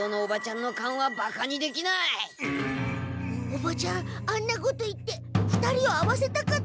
おばちゃんあんなこと言って２人を会わせたかったのかも。